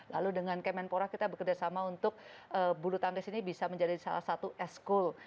lalu dengan kemenpora kita bekerjasama untuk bulu tangkis ini bisa menjadi salah satu es school